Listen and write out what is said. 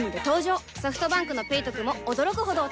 ソフトバンクの「ペイトク」も驚くほどおトク